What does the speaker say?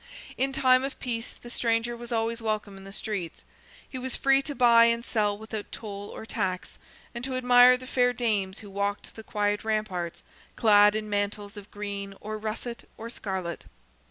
In time of peace the stranger was always welcome in the streets; he was free to buy and sell without toll or tax, and to admire the fair dames who walked the quiet ramparts, clad in mantles of green, or russet, or scarlet.